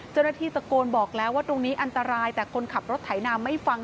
เจ้าหน้าที่ตะโกนบอกแล้วว่าตรงนี้อันตรายแต่คนขับรถไถนาไม่ฟัง